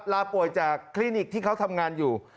ลาป่วยจากคลินิกที่เขาทำงานอยู่